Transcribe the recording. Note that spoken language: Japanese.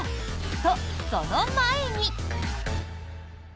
と、その前に。